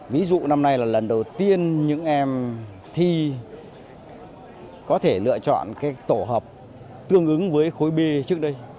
ví dụ năm nay là lần đầu tiên những em thi có thể lựa chọn tổ hợp tương ứng với khối b trước đây